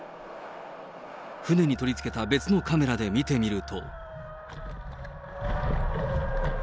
船に取り付けた別のカメラで見てみると。